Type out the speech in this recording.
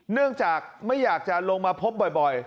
เนื่องจากไม่อยากจะลงมาพบบ่อย